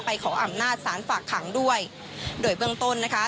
ขออำนาจสารฝากขังด้วยโดยเบื้องต้นนะคะ